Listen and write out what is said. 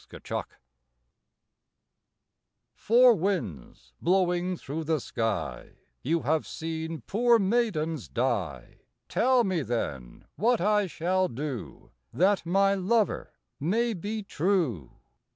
Four Winds "Four winds blowing through the sky, You have seen poor maidens die, Tell me then what I shall do That my lover may be true."